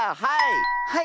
はい！